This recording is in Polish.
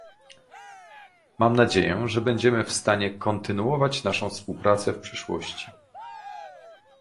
Mam nadzieję, że będziemy w stanie kontynuować naszą współpracę w przyszłości